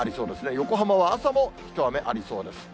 横浜は朝も一雨ありそうです。